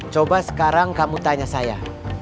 coba sekarang kamu tanya saya